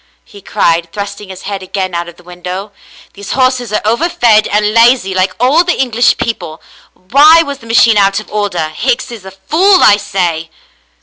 he cried, thrusting his head again out of the window. "These horses are overfed and lazy, like all the English people. Why was the machine out of order ? Hicks is a fool — I say